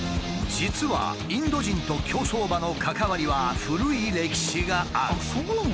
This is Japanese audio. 実はインド人と競走馬の関わりは古い歴史がある。